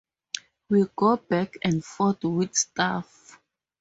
We go back and forth with stuff.